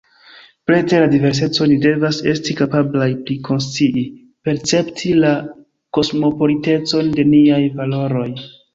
Preter la diverseco ni devas esti kapablaj prikonscii, percepti la kosmopolitecon de niaj valoroj.